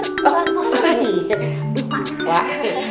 ustadz kan mau antar